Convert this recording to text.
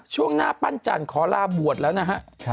ช่วงหน้าปั้นจั่นขอราบววตแล้วนะฮะ